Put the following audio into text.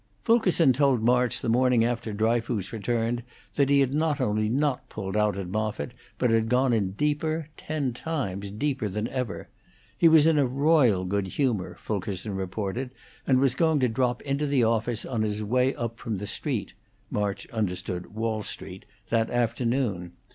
Fulkerson told March the morning after Dryfoos returned that he had not only not pulled out at Moffitt, but had gone in deeper, ten times deeper than ever. He was in a royal good humor, Fulkerson reported, and was going to drop into the office on his way up from the Street (March understood Wall Street) that afternoon.